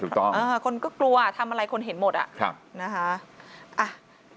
ถูกต้องคนก็กลัวทำอะไรคนเห็นหมดอ่ะนะคะอ่ะ